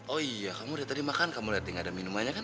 oh iya kamu udah tadi makan kamu liat nih gak ada minumannya kan